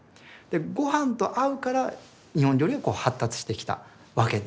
ごはんと合うから日本料理が発達してきたわけで。